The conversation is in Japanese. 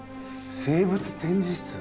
生物展示室？